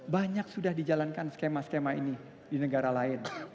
banyak sudah dijalankan skema skema ini di negara lain